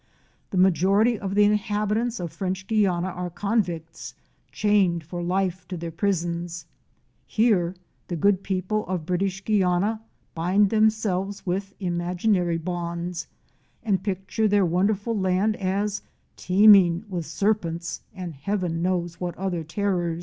The majority of the inhabitants of French Guiana are convicts, chained for life to their prisons; here the good people of British Guiana bind themselves with imaginary bonds and picture their wonderful land as teem ing with serpents and heaven knows what other terrors.